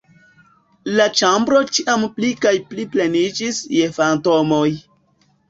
La ĉambro ĉiam pli kaj pli pleniĝis je fantomoj.